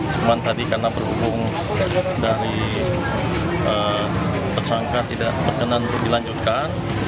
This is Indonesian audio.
cuma tadi karena berhubung dari tersangka tidak berkenan untuk dilanjutkan